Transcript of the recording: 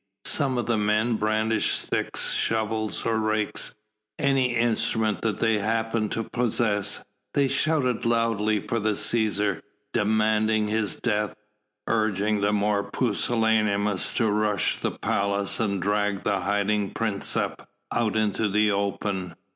Some of the men brandished sticks, shovels or rakes, any instrument they had happened to possess; they shouted loudly for the Cæsar, demanding his death, urging the more pusillanimous to rush the palace and drag the hiding princeps out into the open.